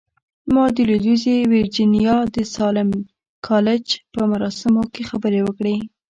ما د لويديځې ويرجينيا د ساليم کالج په مراسمو کې خبرې وکړې.